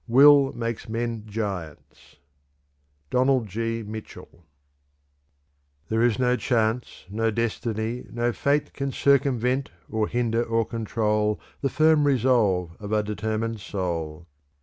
Will makes men giants." Donald G. Mitchell. "There is no chance, no destiny, no fate Can circumvent, or hinder, or control The firm resolve of a determined soul.